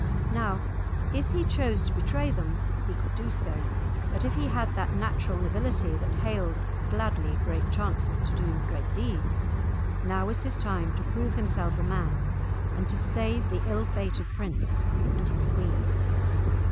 Now, if he chose to betray them he could do so; but if he had that natural nobility that hailed gladly great chances to do great deeds, now was his time to prove himself a man, and to save the ill fated prince and his queen.